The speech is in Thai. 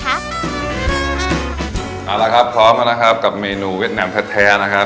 เอาล่ะครับพร้อมแล้วนะคะกับเมนูเวียดแนน่อลแพจแท้นะคะ